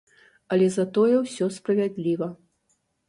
Але затое ўсё справядліва.